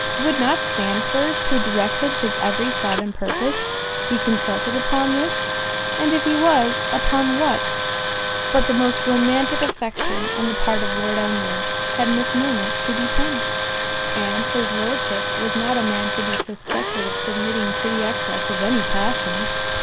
—"Would not Sandford, who directed his every thought and purpose, be consulted upon this? and if he was, upon what, but the most romantic affection on the part of Lord Elmwood, had Miss Milner to depend? and his Lordship was not a man to be suspected of submitting to the excess of any passion."